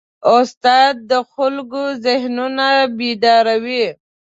استاد د خلکو ذهنونه بیداروي.